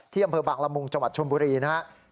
อำเภอบางละมุงจังหวัดชมบุรีนะครับ